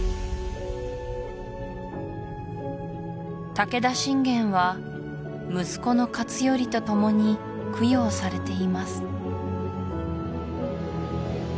武田信玄は息子の勝頼とともに供養されています